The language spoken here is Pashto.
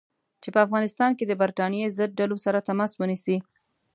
چې په افغانستان کې د برټانیې ضد ډلو سره تماس ونیسي.